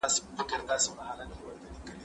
مار چي لا خپل غار ته ننوزي، ځان سيده کوي.